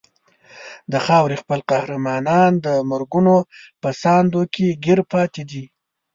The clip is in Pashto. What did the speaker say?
د خاورې خپل قهرمانان د مرګونو په ساندو کې ګیر پاتې دي.